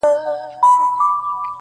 هم يې وچیچل اوزگړي او پسونه-